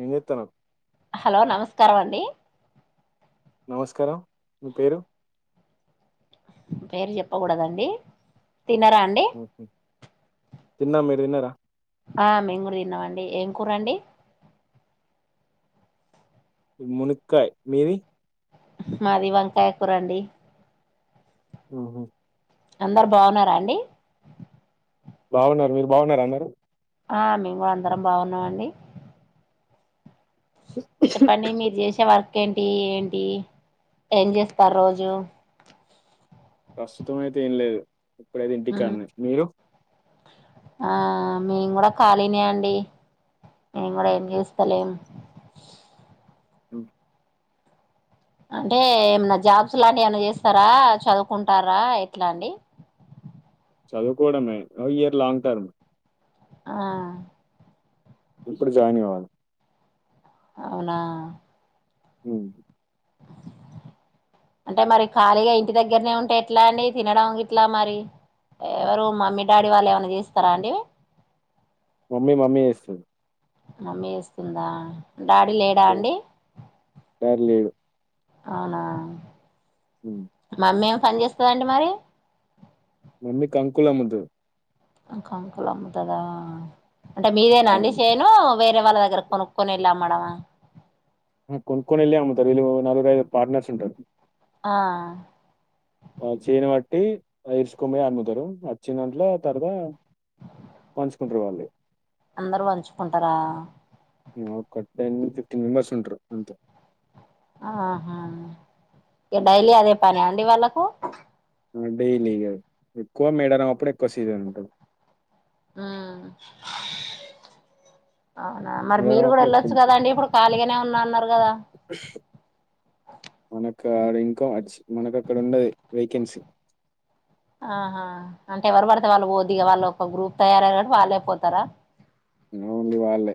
ఎం చెత్తన్నావ్ హలో నమస్కారం అండి నమస్కారం మీ పేరు పేరు చెప్పకూడదండి తినరా అండి తిన్న మీరు తిన్నారా ఆ మెంగూడ తిన్నామండి ఏం కూరండి మునుక్కాయ్ మీది మాది వంకాయ కూరండి ఉహు అందరు బాగున్నారా అండి బాగున్నారు మీరు బాగున్నార అందరు ఆ మేము అందరం బాగున్నాం అండి చెప్పండి మీరు చేసే వర్క్ ఏంటి ఏంటి ఎం చేస్తారు రోజు ప్రస్తుతం అయితే ఏం లేదు ఇప్పుడైతే ఇంటి కాన్నే మీరు ఆ మేము కూడా ఖాళీనే అండి మెంగూడ ఎం చేస్తలేం ఉమ్ అంటే ఏమన్నా జాబ్స్ లాంటివి ఏమన్నా జేస్తరా చదువుకుంటారా ఎట్లాండి చదువుకోడమే ఈ ఇయర్ లాంగ్ టర్మ్ ఆ ఇప్పుడు జాయినన్ గావాలి అవున ఉమ్ అంటే మరి ఖాళీగా ఇంటి దగ్గరనే ఉంటే ఎట్లా అండి తినడం గిట్లా మరి ఎవరు మమ్మీ డాడీ వాళ్ళు ఏమన్నా జేస్తారా అండి మమ్మీ మమ్మీ జేస్తుంది మమ్మి జేస్తుందా డాడీ లేడా అండి డాడీ లేడు అవునా ఉమ్ అమ్మేమి పని చేస్తందండి మరి మమ్మీ కంకులమ్ముతది అంకాంకులమ్ముతదా అంటే మీదేనా అండి చేను వేరే వాళ్ళ దగ్గర కొనుక్కొనెల్లమేడమ్ కొనుక్కొనెళ్ళి అమ్ముతారు వీళ్ళు నాలుగురుఐదు పార్ట్నర్స్ ఉంటారు ఆ ఆ చేను బట్టి ఇరుచుకొమయి అమ్ముతారు వచ్చి దాంట్లో పంచుకుంటారు వాళ్ళు అందరు వంచుకుంటారా ఒక టెన్ ఫిఫ్టీన్ మెంబెర్స్ ఉంటరు అంతే ఆహా ఇ డైలీ అదే పనాండి వాళ్ళకు డైలీ ఇగ ఎక్కువ మేడారం అప్పుడు ఎక్కువ సీజన్ ఉంటుంది అ అవునా మరి మేడారం మీరు గూడా అప్పుడు ఎక్కువ వయెళ్ళొచ్చు ఉంటది గదా అండి ఇప్పుడు ఖాళీగానే ఉన్నా అన్నారు కదా మనక ఆడ ఇంకో అచ్చ మనక అక్కడ ఉండది వేకెన్సీ ఆహా అంటే ఎవరు బడితే వాళ్ళు పోద్దిగ వాళ్ళు ఒక గ్రూప్ తయారయ కాట్టి వాళ్ళే పోతారా ఏమో అండి వాళ్ళే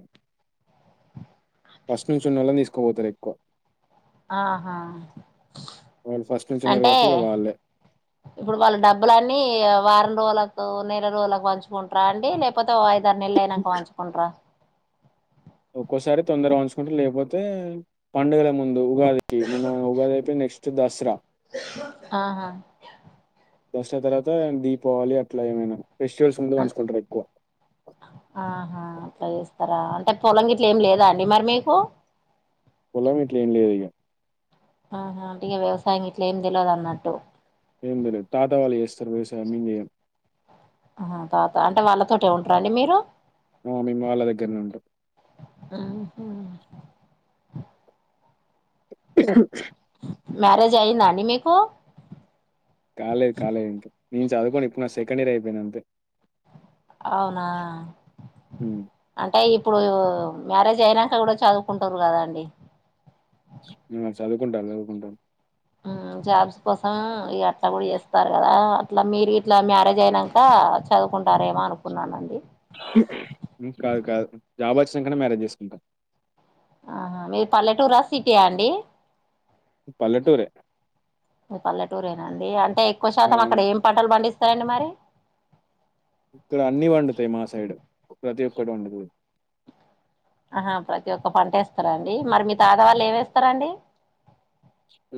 ఫస్ట్ నుంచి ఉన్నళ్ళను తీసుకోపోతారెక్కువ ఆహా వాళ్ళు ఫస్ట్ నుంచి ఉన్నారు అంటే కాబట్టి ఇగ వాళ్ళే ఇప్పుడు వాళ్ళ డబ్బులన్నీ వారం వోలకు నెల రోజులకు పంచుకుంటార అండి లేకపోతే ఓ ఐదరు నెళ్లు అయినాక వంచుకుంటర ఒక్కోసారి తొందర పంచుకుంటే లేకపోతే పండుగల ముందు ఉగాదికి మన్న ఉగాదీపొ దసరా ఆహా దస్ తర్వాత దీపావళి అట్లా ఏమైనా ఫెస్టివల్స్ ముందు అ పంచుకుంటారు ఎక్కువ ఆహా అట్లా చేస్తారా అంటే పొలంగిట్లు ఏం లేదు దాండి మరి మీకు పొలమిట్ల ఏం లేదిగ ఆహా అంటెగ వ్యవసాయం ఇట్లా ఏమి తెలవదన్నట్టు ఏం తెలిదు తాతా వాళ్ళు చేస్తారు వేసా మీంద ఏం తటే ఉంటారంండి మీరు ఆ మేము వాళ్ళ దగ్గరనే ఉంటాం ఆహు ఉంటాం మ్యారేజ్ అయ్యిందాండి మీకు కాలే కాలే ఇంక్ నేను చదువుకోని ఇప్పుడు నా సెకండ్ ఇయర్ అయిపోయిన అంత అవునా హ్మ్. అంటే ఇప్పుడు మ్యారేజ్ అయినాక గూడా చదువుకుంటురు కదా అండి ఆ చదువుకుంటా అదుకుంటాల జాబ్స్ కోసం ఈ అట్లా కూడా చేస్తారు కదా ఇట్లా మీరు ఇట్లా మ్యారేజ్ అయినాక చదువుకుంటారేమో అనుకున్నానండి కాదు కాదు జాబ్ వచ్చినాకనే మ్యారేజ్ చేసుకుంటాారు ఆహా మీరు పల్లెటూరా సిటీయా అండి పల్లెటూర మీ పల్లెటూరేనాండి అంటే ఎక్కువ ఆ, శాతం అక్కడ ఏం పంటలు పండిస్తారండి మరి ఇక్కడ అన్ని వండుతాయి మా సైడ్ ప్రతి ఒక్కటి వండుతు ఆహా ప్రతి ఒక్క పంటేస్తారా అండి మరి మీ తాతవాళ్ళు ఏమిేస్తారాండి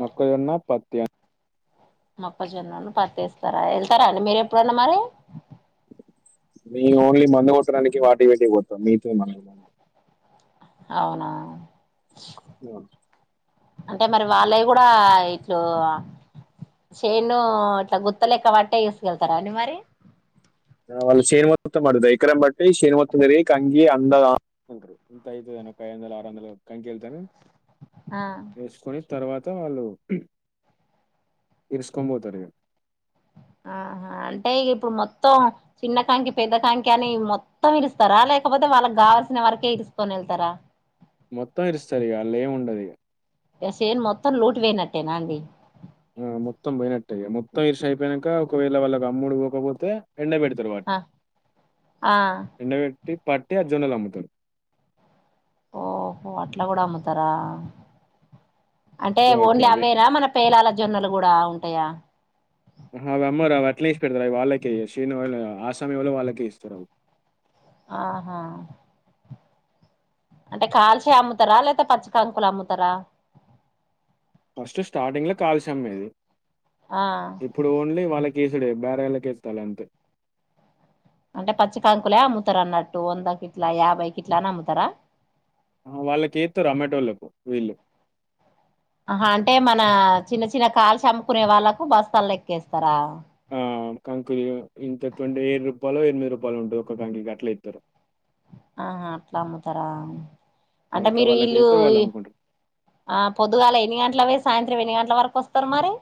మక్కల్ ఎన్నా పాత్యాం మొప్పజొన్నని పతిేస్తారా వెళ్తారా అండి మీర ఎప్పుడున్న మరి మీ ఓన్లీ మందు కొట్టడానికి వాటి పెటి కొత్తాం మీతో మన అవునా అ అంటే మరి వాళ్ళవి కూడా ఇట్లు చేనుు ఇట్లా గుత్తలెక్క పట్టే చసుకెళ్తారా అని మరి నవల్ శేను మతుంమాద ఇక్రం బట్టి శేను మత్త మీరి కంగి అంద నఐ వందల ఆరు వందల కంకెళ్తాను ఆ తర్వాత వాళ్ళు ఇరుసుకొని పోతారు ఆహా అంటే ఇ ఇప్పుడు మొత్తం చిన్న కాంకి పెద్ద కాంకి అని మొత్తం ఇలుస్తారా లేకపోతే వాళ్ళకి కావల్సిన వరకే తీసుకొని వెళ్తారా మొత్తం ఇరుస్తారు ఇక అళ్ ఏము ఉండదుక ఎసేను మొత్తం లటు పోయినట్టేనా అండి ఆ మొం పోనట్టయ మొత్తం ఇర్ష అయిపోయానాక ఒకవేళ వాళ్ళకి అమ్ముడు పోకపోతే ఎండ పెట్తర్వాడి ఆ ఆ ఎండ పెట్ త పార్టీ అ జాల మతం ఓహో అట్లా కూడా అమ్ముతారా అంటే వా ఇప్పుడు ఓన్లీ అదే. అవేనా మన పేలాల జొన్నలు కూడా ఉంటాయా అవి అమ్మరు అవి అట్లా ఇసి పెడతారు అవి వాళ్ళకే శనిళ ఆ సమయంలోళ్ళ వాళ్ళకే ఇస్తారు అ ఆహా అంటే కాల్చయ అమ్ముతారా లేదా పచ్చ కాంకులు అమ్ముతారా ఫస్ట్ స్టార్టింగ్ లో కాల్సమ్మది ఆ ఇప్పుడు ఓన్లీ వాళ్ళకి కేసుడే బేార ఎళ్లా కేస్తాల అంతే అంటే పచ్చ కాంకులే అమ్ముతారు అన్నట్టు వందకిిట్లా యాభైకిిట్లాని అమ్ముతారా ఆ వాళ్ళకిస్త రొమాటోపు వీళ్ళు ఆా అంటే మన చిన్న చిన్న కాలు చమ్ముకునే వాళ్ళకు బస్తాలు ఎక్కేస్తారా ఆ కంకులు ఇంతవంటే ఏడు రూపాయలు ఎనిమిది రూపాయలు ఉంట ఒక కంకుకి అట్లా ఇతారు ఆహా అట్లా అమ్ముతారా అంటే అట్లా మీరు వీల్లు వాళ్ళకేత్తే వాళ్ళు అమ్ముకుంటారు. ఆ పొద్దుగాల ఎన్ని గంటలవే సాయంత్రం ఎన్ని గంటల ఇట్ల వరకు వస్తారు మరి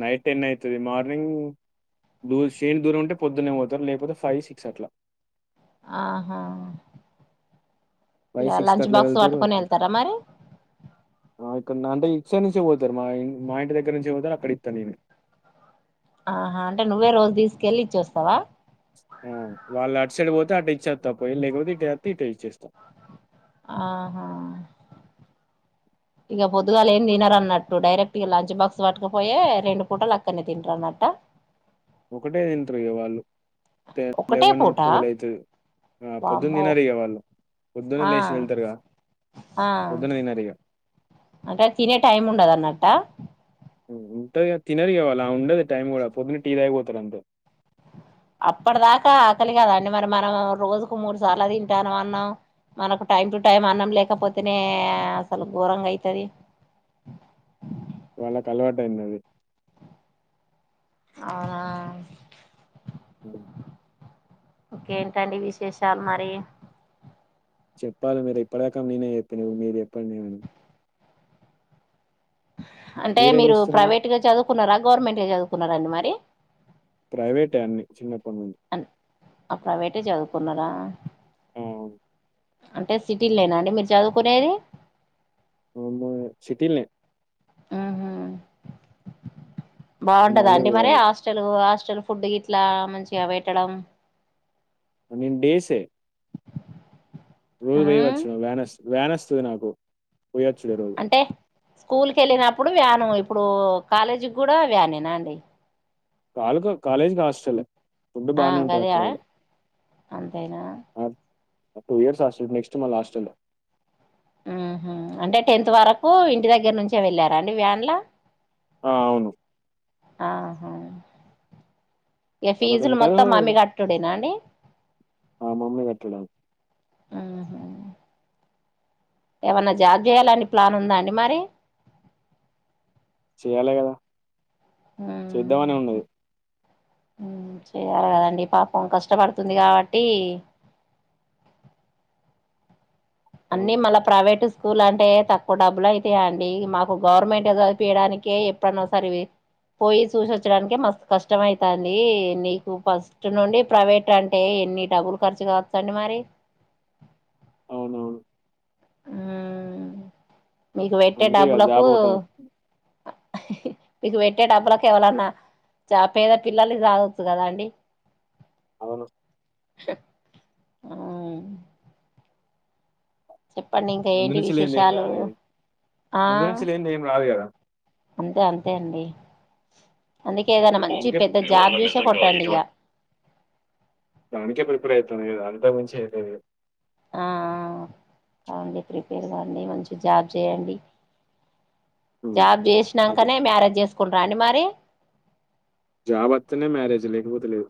నైట్ టెన్ అయితుది మార్నింగ్ దూ శేని దూరం ఉంటే పొద్దున్నే పోవుతారు లేకపోతే ఫైవ్ సిక్స్ అట్లా ఆహా ఫైవ్ ఇగా సిక్స్ కి లంచ్ అట్లా బాక్స్ వెళ్తారు పట్టుకొని వెళ్తారా మరి ఎటిసైడ్ నుంచే పోతారు మా మా ఇంటి దగ్గర నుంచే పోతారు అక్కడ ఇత్త నేను ఆహా అంటే నువ్వే రోజు తీసుకెల్లీ ఇచ్చేస్తావా ఆ వాళ్ళు అటు సైడ్ పోతే అటు ఇచ్చేస్తా పోయి లేకపోతే ఇటుస్తే ఇటు ఇచ్చేస్తా ఆహా ఇగ పొద్దుగాల ఏం తినరు అన్నట్టు డైరెక్ట్ ఇగ లంచ్ బాక్స్ పట్టుకపోయే రెండు పూటలు అక్కడనే తింటారు అన్నట్ట ఒకటే తింట్రు ఇగవాళ్ళు ట ఒకటే లెవెన్ పూట ట్వెల్వ్ అవుతుది ఆ పొద్దున్న వామ్మో తినారు ఇగ వాళ్ళు పొద్దున్న ఆ లేచి వెళ్తారుగా ఆ పొద్దున్న తినారు ఇగ అంటే తినే టైం ఉండదు అన్నట్ట ఉంటాది తినరు ఆడవాళ్ళు ఆ ఉండదు టైం కూడా పొద్దున్న టీ తాగిపోతారు అంతే అప్పటిదాకా ఆకలి కదాండి మరి మనం రోజుకు మూడు సార్లు తింటానం అన్నాం మనకు టైం టు టైం అన్నం లేకపోతేనే అసలు ఘోరంగా అయితది వాళ్ళకు అలవాటుయినది అవునా అ ఇకేంటండి విశేషాలు మరి చెప్పాలి మీరు ఇప్పడకం నేనే చెప్పినిగా మీరు చేప్పండి అంటే మీరేం మీరు చేస్తున్నారు ప్రైవేట్గా చదువుకున్నారా గవర్నమెంటే చదువుకున్నారాండి మరి ప్రైవేటే అన్ని చిన్నప్పుడు అ అప్రవేటే చదువుకున్నారా ఆ, అంటే సిటీల్నేన అండి మీరు చదువుకునేది మ సిటిల్ నే బాగుంటద మళ్ళీ అండి మరి పోవాలి హాస్టల్ హాస్టల్ ఫుడ్ ఇట్లా మంచిగా పెట్టడం మేం డేస్ే రోజు ఉమ్ పోయవచ్చు వేన వేనొస్తుంది నాకు పోయచ్చుడుే రోజు స్కూల్కి వెళ్ళినప్పుడు వ్యాను ఇప్పుడు కాలేజీకి కూడా వ్యానేనా అండి కాలు కాలేజీ కాస్టల్ ఫుడ్ ఆ బానే ఉంటది గదే అక్కడ కూడా అంతేనా టూ ఇయర్స్ హస్టల్ నెక్స్ట్ మళ్ళ హస్టలే ఉహూ అంటే టెన్త్ వరకు ఇంటి దగ్గర నుంచే వెళ్ళారా అండి వ్యాన్లా ఆ అవును ఆహా ఇక తర్వాత ఫీజులు ఇంటర్ మొత్తం మమ్మీ కటుడేనా అండి ఆ మమ్ీ కట్టుడ ఆహా ఏమన్నా జాబ్ చేయాలని ప్లాన్ ఉందా అండి మరి చేయాలి కదా చేద్దామనె ఉంది చెయాలి కదండి పాపం కష్టపడుతుంది కాబట్టి [inaudible] అన్నీ అవును మళ్ళ ప్రైవేటు స్కూల్ అంటే తక్కు డబులు అయితాయా అండి మాకు గవర్నమెంట్ చదుపియడానికే ఎప్పుడైన్నా సదివేది పోయి చూసిొచ్చడానినికిే మ కష్టం అయితంది నీకు ఫస్ట్ నుండి ప్రైవేట్ అంటే ఎన్ని డబ్బులు ఖర్చు కావచ్చ అండి మరి అవునవును ఆ మీకు పెట్టే అందుకే కదా డబ్బులకు జాబ్ ఒకటి మీకు పెట్టే డబ్బులకు ఎవలన్నా చ పేద పిల్లలు సాాదొచ్చు కదా అండి అవును ఆ చెప్పండి ఇంకా ముందు ఏంటి నుంచి లేనిది ఏం విశేషాలు రాదు కదా ఆ ముందు నుంచి లేనిది ఏం రాదు కదా అంతే అంతే అండి అందుకే ఏదైనా మంచి కే పెద్ద ఇ వళ జాబ్ చూసే మతం కొట్టండి కవచ్చట్ం ఇక అనకే ప్రిపేర్ అయిత అంత ముంచియదు ఆ ఆ కాడి ప్రిపేర్ కాండి మంచి జాబ్ చేయండి లేదు జాబ్ చేసినాకనే మ్యారేజ్ చేసుకుంటరా అండి మరి జాబ్ వాతేనే మ్యారేజ్ లేకపోతె లేదు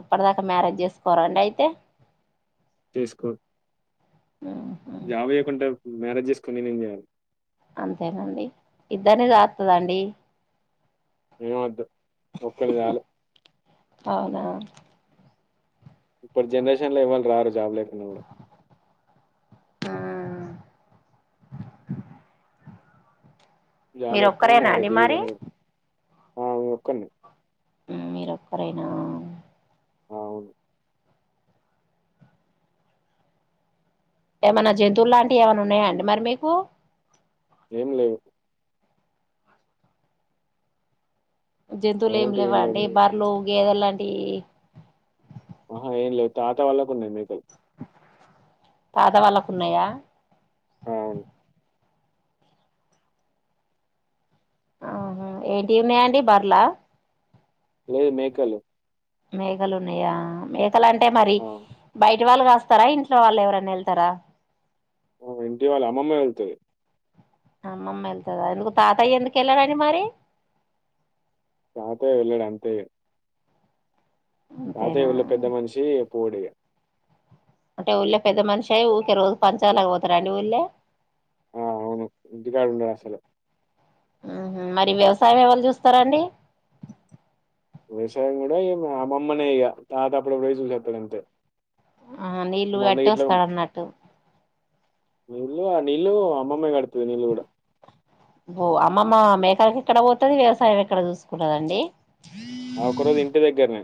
అప్పటిదాకా మ్యారేజ్ చేసుకోరండి అయితే చేసుకోను ఉహు జాబ్ చేయ్యకుండా మ్యారేజ్ చేసుకుని నేనేం చేయను అంతేనండి ఇద్దర్ని చేతడండి ఏం వొద్దు ఒక్కని చాలు అవునా ఇప్పుడు జనరేషన్ లో ఎవరు రారు జాబ్ లకి జాబ్ మీరు వాతేనే ఒక్కరేనా మనం అండి మరి చేయలేము అ నొకండి మీరొక్కరైనా అవును ఏమైన్నా జంతువులు లాంటివి ఏమైనా ఉన్నాయా అండి మరి మీకు ఏం లేవు జంతువులు ఏం అవలంటే లేవా అండి లేవు బర్రలు గేదే లాంటి ఆహా ఏం లేదు తాత వాళ్ళకు ఉన్నాయి మెకలు తాత వాళ్ళకు ఉన్నాయా అవును ఆహ ఏంటిఉన్నాయండి బర్ల లేదు మేకలు మేకలు ఉన్నాయా మేకలు అంటే మరి ఆ, బయట ఇట్ వాళ్ళు కాస్తారా ఇంట్లో వాళ్ళు ఎవరైనా వెళ్తారా ఇంటి వాళ్ళు అమ్మమ్మ వెళ్తుది అమ్మమ్మ వెళ్తుందా ఎందుకు తాతయ్య ఎందుకు వెళ్ళారండి మరి తాతయ్య వెళ్ళాడు అంతే అంతేనా తాతయ్య వాలా పెద్ద మనిషి ఓకురే అంటే ఉళ్ళె పెద్ద మనిషియి ఊరికే రోజు పంచాలక పోతారండి ఊళ్ళే ఆ అవును ఇంటికాడు ఉండడు అసలు మరి వ్యవసాయం ఎవల్ చూస్తారాండి వ్యవసాయం కూడా మామమ్మనే ఇక తాత అప్పుడు అపుడు చూసితాడు అంతే ఆ నీళ్ళు అట్ట వస్తాడు అన్నట్టు నిల్ నిలు అమ్మమ్మగా కడతాది నిల్ కూడా అమ్మమ్మ మేకకి ఎక్కడ పోతుది వ్యవసాయం ఎక్కడ చూసుకుంటదండి ఆ ఒకరోజు ఇంటి దగ్గరనే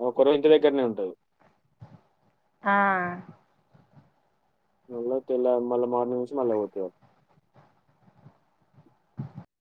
అ ఒక్క రోజు ఇంటి దగ్గరనే ఉంటది ఆ మ తెలా మళ మోర్నింగ్ నుంచి మల్ల పోతది